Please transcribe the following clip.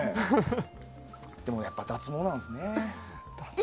でもやっぱり脱毛なんですね。